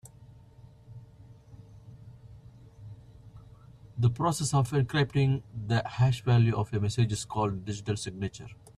The process of encrypting the hash value of a message is called digital signature.